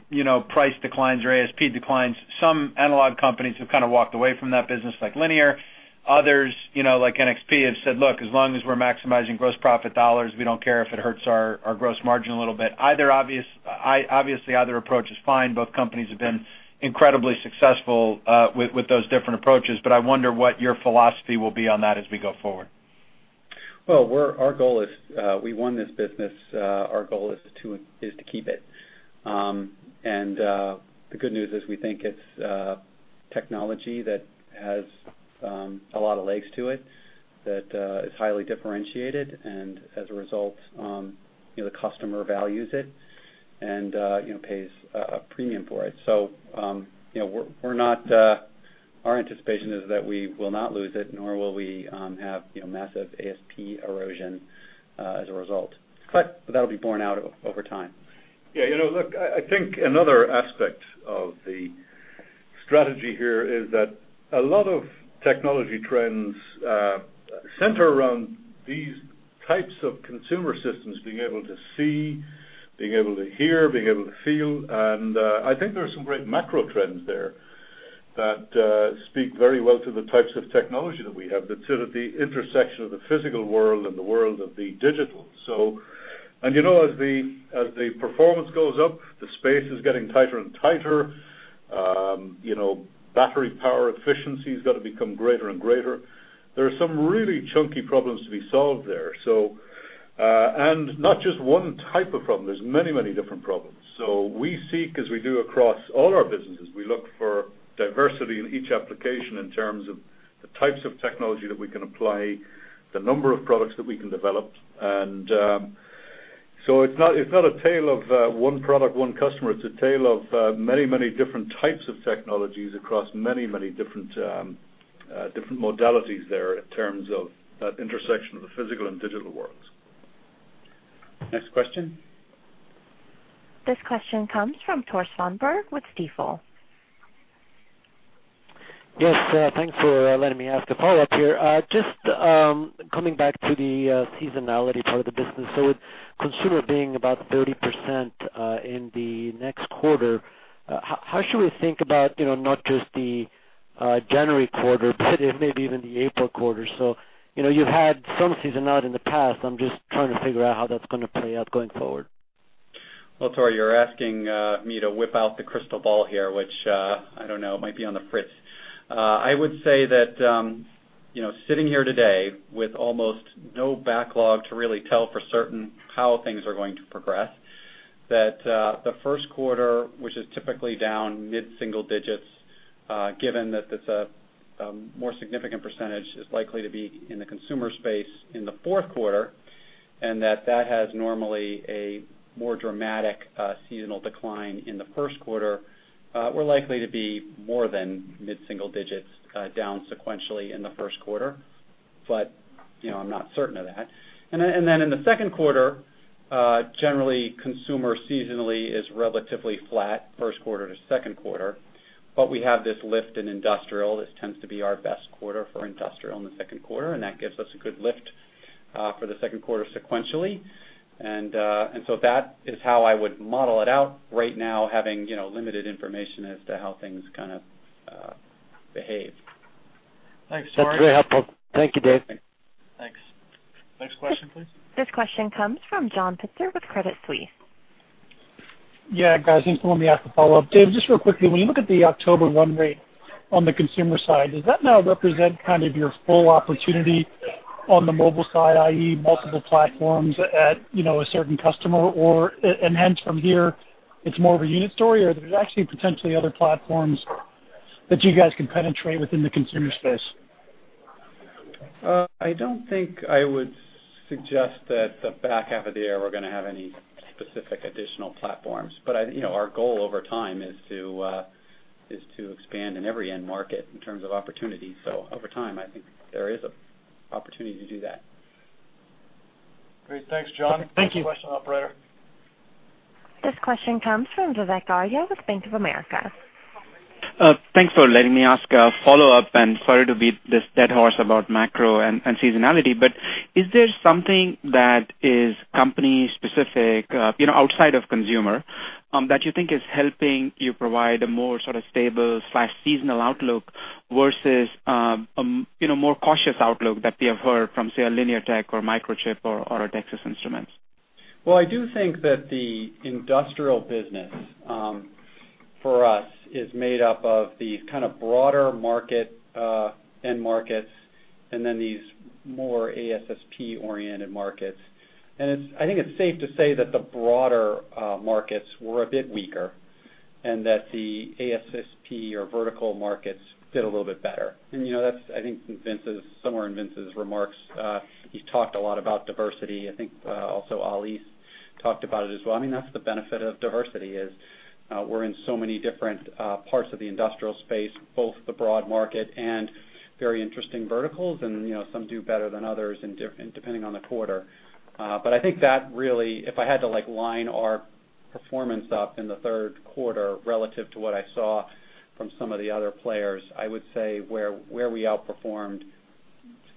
S22: price declines or ASP declines, some analog companies have kind of walked away from that business, like Linear. Others, like NXP, have said, "Look, as long as we're maximizing gross profit dollars, we don't care if it hurts our gross margin a little bit." Obviously, either approach is fine. Both companies have been incredibly successful with those different approaches, but I wonder what your philosophy will be on that as we go forward.
S3: Well, we won this business, our goal is to keep it. The good news is we think it's technology that has a lot of legs to it, that is highly differentiated, and as a result, the customer values it and pays a premium for it. Our anticipation is that we will not lose it, nor will we have massive ASP erosion as a result. That'll be borne out over time.
S4: Yeah. Look, I think another aspect of the strategy here is that a lot of technology trends center around these types of consumer systems, being able to see, being able to hear, being able to feel, and I think there are some great macro trends there that speak very well to the types of technology that we have that sit at the intersection of the physical world and the world of the digital. As the performance goes up, the space is getting tighter and tighter. Battery power efficiency's got to become greater and greater. There are some really chunky problems to be solved there. Not just one type of problem. There's many different problems. We seek, as we do across all our businesses, we look for diversity in each application in terms of the types of technology that we can apply, the number of products that we can develop. It's not a tale of one product, one customer. It's a tale of many different types of technologies across many different modalities there in terms of that intersection of the physical and digital worlds.
S2: Next question.
S1: This question comes from Tore Svanberg with Stifel.
S8: Yes. Thanks for letting me ask a follow-up here. Just coming back to the seasonality part of the business, so with consumer being about 30% in the next quarter, how should we think about not just the January quarter, but maybe even the April quarter? You've had some seasonality in the past. I'm just trying to figure out how that's going to play out going forward.
S3: Well, Tore, you're asking me to whip out the crystal ball here, which I don't know, might be on the fritz. I would say that sitting here today with almost no backlog to really tell for certain how things are going to progress, that the first quarter, which is typically down mid-single digits, given that it's a more significant percentage, is likely to be in the consumer space in the fourth quarter, and that has normally a more dramatic seasonal decline in the first quarter. We're likely to be more than mid-single digits down sequentially in the first quarter, but I'm not certain of that. In the second quarter, generally consumer seasonally is relatively flat first quarter to second quarter, but we have this lift in industrial. This tends to be our best quarter for industrial in the second quarter, and that gives us a good lift for the second quarter sequentially. That is how I would model it out right now, having limited information as to how things kind of behave.
S2: Thanks, Tore. That's very helpful. Thank you, Dave. Thanks. Next question, please.
S1: This question comes from John Pitzer with Credit Suisse.
S6: Yeah, guys, thanks for letting me ask a follow-up. Dave, just real quickly, when you look at the October run rate on the consumer side, does that now represent kind of your full opportunity on the mobile side, i.e., multiple platforms at a certain customer, and hence from here it's more of a unit story? Or are there actually potentially other platforms that you guys can penetrate within the consumer space?
S3: I don't think I would suggest that the back half of the year we're going to have any specific additional platforms. Our goal over time is to expand in every end market in terms of opportunities. Over time, I think there is an opportunity to do that.
S2: Great. Thanks, John. Thank you. Next question, operator.
S1: This question comes from Vivek Arya with Bank of America.
S10: Thanks for letting me ask a follow-up and sorry to beat this dead horse about macro and seasonality, but is there something that is company specific, outside of consumer? That you think is helping you provide a more sort of stable/seasonal outlook versus a more cautious outlook that we have heard from, say, a Linear Tech or Microchip or a Texas Instruments?
S3: Well, I do think that the industrial business for us is made up of these kind of broader end markets and then these more ASSP-oriented markets. I think it's safe to say that the broader markets were a bit weaker and that the ASSP or vertical markets did a little bit better. That's, I think, somewhere in Vince's remarks, he talked a lot about diversity. I think, also, Ali talked about it as well. That's the benefit of diversity, is we're in so many different parts of the industrial space, both the broad market and very interesting verticals. Some do better than others depending on the quarter. I think that really, if I had to line our performance up in the third quarter relative to what I saw from some of the other players, I would say where we outperformed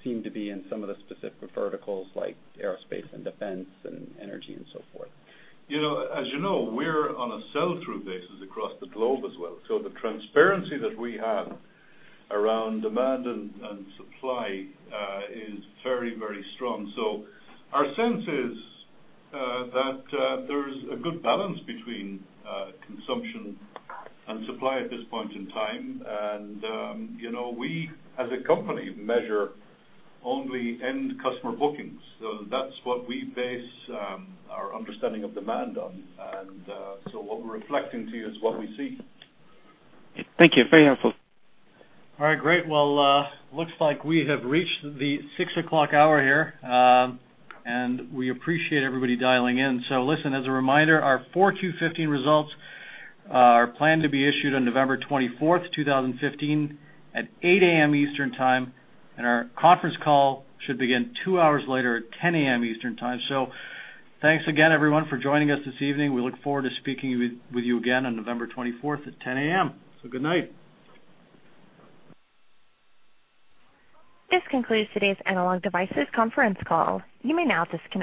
S3: seemed to be in some of the specific verticals like aerospace and defense and energy and so forth.
S4: As you know, we're on a sell-through basis across the globe as well. The transparency that we have around demand and supply, is very strong. Our sense is that there's a good balance between consumption and supply at this point in time. We, as a company, measure only end customer bookings. That's what we base our understanding of demand on. What we're reflecting to you is what we see.
S10: Thank you. Very helpful.
S3: All right. Great. Well, looks like we have reached the 6:00 hour here. We appreciate everybody dialing in. Listen, as a reminder, our 4Q15 results are planned to be issued on November 24, 2015 at 8:00 A.M. Eastern Time, and our conference call should begin two hours later at 10:00 A.M. Eastern Time. Thanks again, everyone, for joining us this evening. We look forward to speaking with you again on November 24 at 10:00 A.M. Good night.
S1: This concludes today's Analog Devices conference call. You may now disconnect.